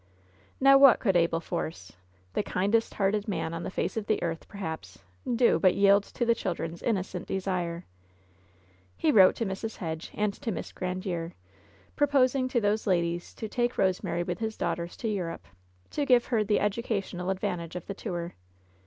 Now what could Abel Force — the kindest hearted man on the face of the earth, perhaps — do but yield to the children's innocent desire ? He wrote to Mrs. Hedge and to Miss Grandiere, pro posing to those ladies to take Eosemary with his daugh 56 LOVE'S BITTEREST CUP ters to Europe^ to give her the educational advantage of the tour.